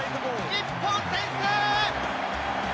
日本、先制！